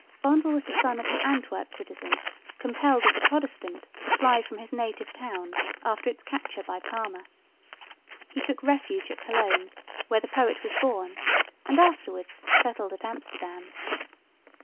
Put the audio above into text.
Vondel was the son of an Antwerp citizen compelled as a Protestant to fly from his native town after its capture by Parma. He took refuge at Cologne, where the poet was born, and afterwards settled at Amsterdam.